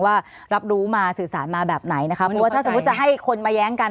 ว่ารับรู้มาสื่อสารมาแบบไหนนะคะเพราะว่าถ้าสมมุติจะให้คนมาแย้งกัน